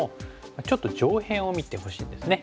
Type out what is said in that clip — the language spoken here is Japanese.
ちょっと上辺を見てほしいんですね。